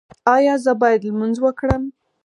ایا زه باید لمونځ وکړم؟